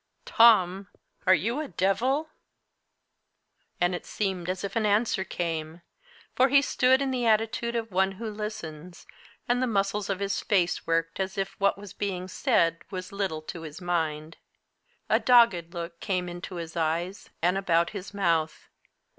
"Tom! Are you a devil?" And it seemed as if an answer came. For he stood in the attitude of one who listens, and the muscles of his face worked as if what was being said was little to his mind. A dogged look came into his eyes, and about his mouth.